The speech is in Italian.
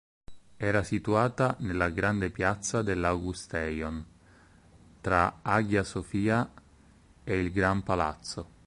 Era situata nella grande piazza dell'Augustaion, tra Hagia Sophia e il Gran Palazzo.